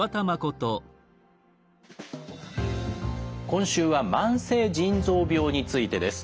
今週は「慢性腎臓病」についてです。